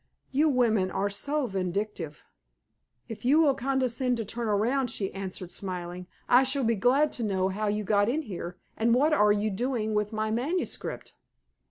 You women are so vindictive!" "If you will condescend to turn round," she answered, smiling, "I shall be glad to know how you got in here, and what are you doing with my manuscript?"